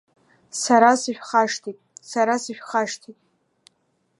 Сара сышәхашҭит, сара сышәхашҭит!